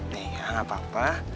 nih gak apa apa